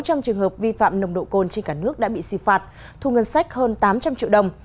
hơn sáu trăm linh trường hợp vi phạm nồng độ côn trên cả nước đã bị xử phạt thu ngân sách hơn tám trăm linh triệu đồng